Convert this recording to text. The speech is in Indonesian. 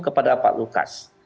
kepada pak lukas